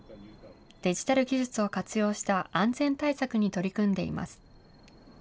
デジタル技術を活用した安全対策に取り組んでいます。